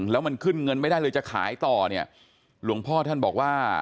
แล้วมันขึ้นเงินไม่ได้เลยจะขายต่อเนี่ยหลวงพ่อท่านบอกว่า